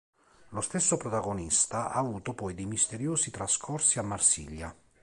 Lo stesso protagonista ha avuto poi dei misteriosi trascorsi a Marsiglia...